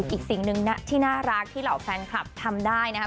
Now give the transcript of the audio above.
อีกสิ่งหนึ่งที่น่ารักที่เหล่าแฟนคลับทำได้นะครับ